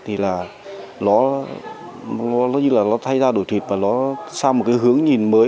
thì là nó như là nó thay ra đổi thịt và nó sang một cái hướng nhìn mới